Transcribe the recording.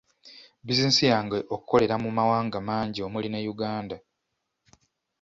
Bizinensi yange okolera mu mawanga mangi omuli ne Uganda.